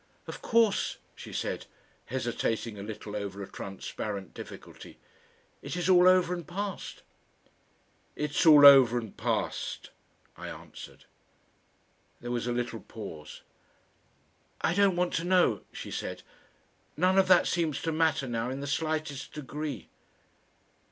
... "Of course," she said, hesitating a little over a transparent difficulty, "it is all over and past." "It's all over and past," I answered. There was a little pause. "I don't want to know," she said. "None of that seems to matter now in the slightest degree."